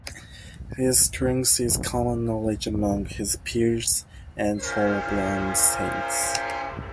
His strength is common knowledge among his peers and fellow Bronze Saints.